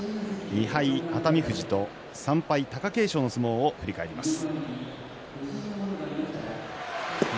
２敗熱海富士と、３敗貴景勝の相撲を振り返ります。